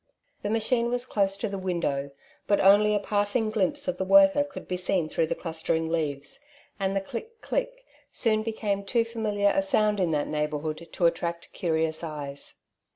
The machine was close to the window, but only a passing glimpse of the worker could be seen through the clustering leaves. TIu little House in the back Street. 3 and the '' click, click ^' soon became too familiar a sonnd in that neighbourhood to attract carious eyes.